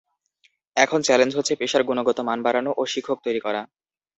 এখন চ্যালেঞ্জ হচ্ছে পেশার গুণগত মান বাড়ানো ও শিক্ষক তৈরি করা।